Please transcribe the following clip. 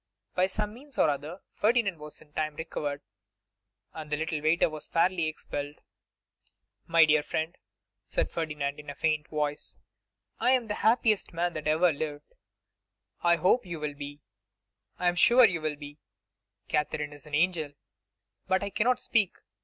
By some means or other Ferdinand was in time recovered, and the little waiter was fairly expelled. 'My dear friend,' said Ferdinand, in a faint voice; 'I am the happiest man that ever lived; I hope you will be, I am sure you will be; Katherine is an angel. But I cannot speak.